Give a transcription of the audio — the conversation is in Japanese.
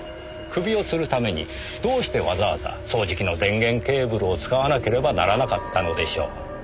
首をつるためにどうしてわざわざ掃除機の電源ケーブルを使わなければならなかったのでしょう？